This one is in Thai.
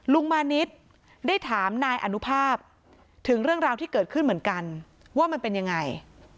ลุงมานิดได้ถามนายอนุภาพถึงเรื่องราวที่เกิดขึ้นเหมือนกันว่ามันเป็นยังไง